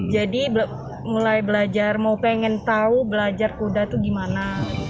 jadi mulai belajar mau pengen tahu belajar kuda tuh gimana